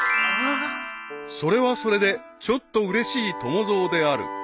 ［それはそれでちょっとうれしい友蔵である］